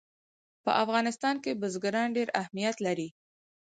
په افغانستان کې بزګان ډېر اهمیت لري.